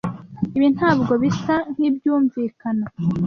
Ibi ntabwo bisa nkibyumvikana.